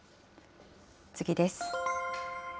次です。